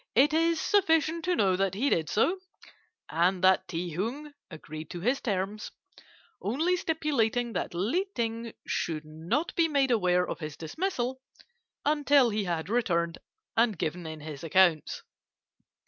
"It is sufficient to know that he did so, and that Ti Hung agreed to his terms, only stipulating that Li Ting should not be made aware of his dismissal until he had returned and given in his accounts.